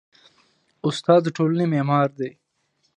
استاد د ټولنې معمار دی.